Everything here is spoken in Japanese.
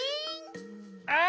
あ！